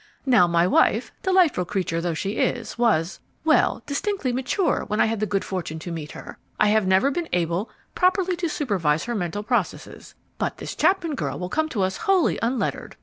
Now my wife, delightful creature though she is, was well, distinctly mature when I had the good fortune to meet her; I have never been able properly to supervise her mental processes. But this Chapman girl will come to us wholly unlettered.